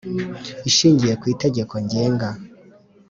Ishingiye ku itegeko ngenga